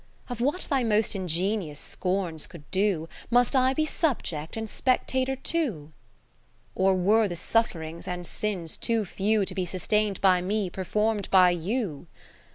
Of what thy most ingenious scorns could do, Must I be subject and spectator too? hijiiria Ajtticitiae Or were the sufferings and sins too few To be sustain'd by me, perform'd by you